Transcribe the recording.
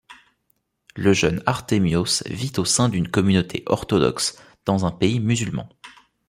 Le jeune Artémios vit au sein d’une communauté orthodoxe, dans un pays musulman.